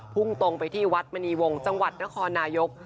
พุ่งตรงไปที่วัดมณีวงศ์จังหวัดนครนายก